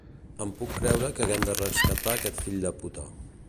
Em puc creure que haguem de rescatar aquest fill de puta.